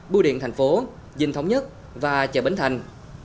bưu điện thành phố dinh thống nhất và chợ bến thành